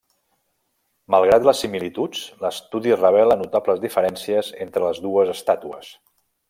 Malgrat les similituds, l'estudi revela notables diferències entre les dues estàtues.